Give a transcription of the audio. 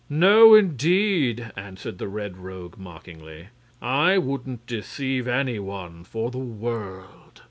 "No, indeed!" answered the Red Rogue, mockingly. "I wouldn't deceive any one for the world.